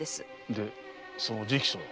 でその直訴は？